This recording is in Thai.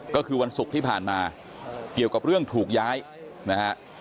ก็คือวันศุกร์ที่ผ่านมาเกี่ยวกับเรื่องถูกย้ายนะฮะ